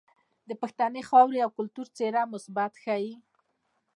د پښتنې خاورې او کلتور څهره مثبت ښائي.